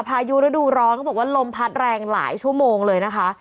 พายุฤดูร้อนเขาบอกว่าลมพัดแรงหลายชั่วโมงเลยนะคะ